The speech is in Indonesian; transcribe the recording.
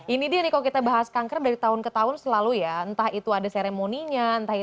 ini dia nih kalau kita bahas kanker dari tahun ke tahun selalu ya entah itu ada seremoninya entah itu